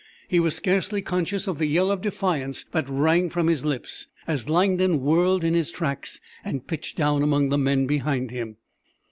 He was scarcely conscious of the yell of defiance that rang from his lips as Langdon whirled in his tracks and pitched down among the men behind him.